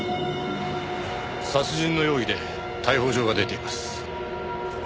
殺人の容疑で逮捕状が出ています。